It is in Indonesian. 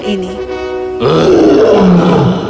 seperti sekarang ini